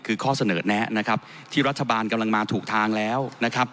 คือข้อเสนอแนะนะครับที่รัฐบาลกำลังมาถูกทางแล้วนะครับ